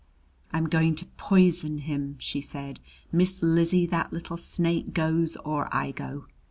"I'm going to poison him!" she said. "Miss Lizzie, that little snake goes or I go!"